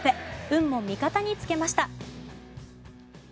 運も味方につけました。